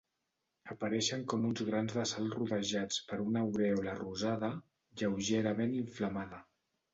Apareixen com uns grans de sal rodejats per una aurèola rosada, lleugerament inflamada.